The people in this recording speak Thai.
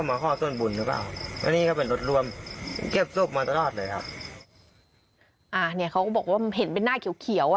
อ่าเนี่ยเขาก็บอกว่ามันเห็นเป็นหน้าเขียว